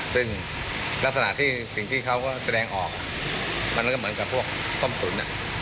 ซึ่งลักษณะที่สิ่งที่เขาก็แสดงออกมันก็เหมือนกับพวกต้มตุ๋น